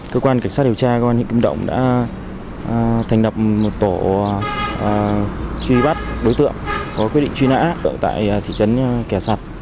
cơ quan cảnh sát điều tra của hợi đã thành đập một tổ truy bắt đối tượng có quyết định truy nã tại thị trấn kẻ sặt